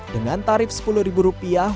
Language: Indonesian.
dengan tarif sepuluh rupiah